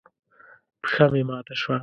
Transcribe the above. پښه مې ماته شوه.